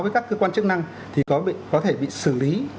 với các cơ quan chức năng thì có thể bị xử lý